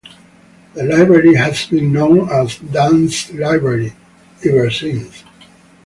The Library has been known as "Dun's Library" ever since.